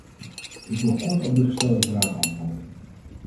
Ik wil kort op de gestelde vragen antwoorden.